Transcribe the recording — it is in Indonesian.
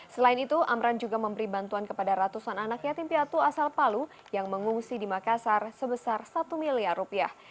selain itu amran juga memberi bantuan kepada ratusan anak yatim piatu asal palu yang mengungsi di makassar sebesar satu miliar rupiah